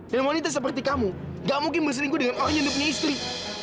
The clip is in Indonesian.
dan wanita seperti kamu nggak mungkin berselingkuh dengan orang yang dia punya istri